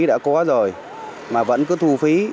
đã có rồi mà vẫn cứ thu phí